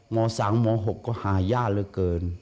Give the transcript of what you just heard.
ม๓ม๖ก็หายากเหลือเกิน